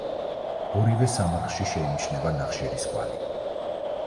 ორივე სამარხში შეიმჩნევა ნახშირის კვალი.